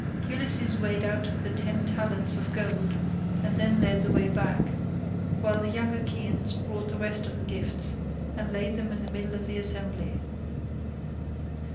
Ulysses weighed out the ten talents of gold and then led the way back, while the young Achaeans brought the rest of the gifts, and laid them in the middle of the assembly.